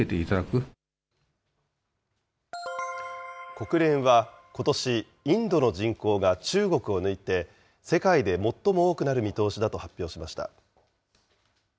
国連はことし、インドの人口が中国を抜いて、世界で最も多くなる見通しだと発表しました。